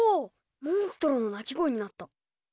モンストロの鳴き声になった。